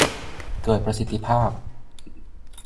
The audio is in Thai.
เกิดประสิทธิภาพ